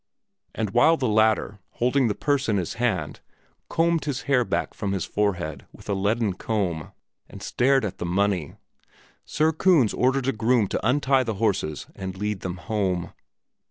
And while the latter, holding the purse in his hand, combed the hair back from his forehead with a leaden comb and stared at the money, Sir Kunz ordered a groom to untie the horses and lead them home.